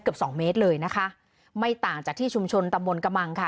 เกือบสองเมตรเลยนะคะไม่ต่างจากที่ชุมชนตะมนต์กะมังค่ะ